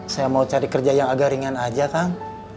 saya mau cari kerja yang agak ringan aja kang